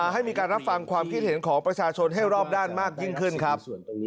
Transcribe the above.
ให้มีการรับฟังความคิดเห็นของประชาชนให้รอบด้านมากยิ่งขึ้นครับ